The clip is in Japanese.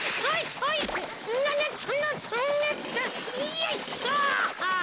よいしょ。